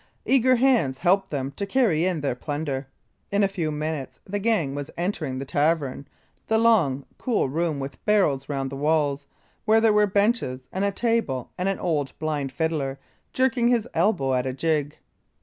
Eager hands helped them to carry in their plunder. In a few minutes the gang was entering the tavern, the long, cool room with barrels round the walls, where there were benches and a table and an old blind fiddler jerking his elbow at a jig.